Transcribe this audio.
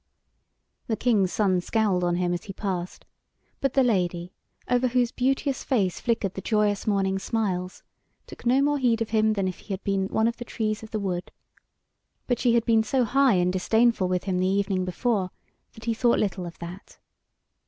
The King's Son scowled on him as he passed, but the Lady, over whose beauteous face flickered the joyous morning smiles, took no more heed of him than if he had been one of the trees of the wood. But she had been so high and disdainful with him the evening before, that he thought little of that.